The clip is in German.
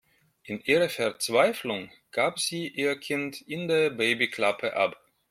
In ihrer Verzweiflung gab sie ihr Kind in der Babyklappe ab.